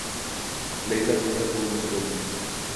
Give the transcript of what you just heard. La isla cuenta con una escuela.